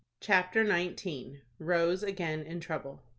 CHAPTER XIX. ROSE AGAIN IN TROUBLE.